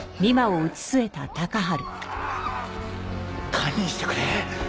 堪忍してくれ！